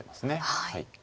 はい。